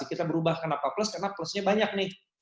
kita berubah kenapa plus karena plusnya banyak nih